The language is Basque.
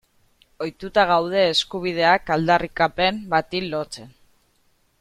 Ohituta gaude eskubideak aldarrikapen bati lotzen.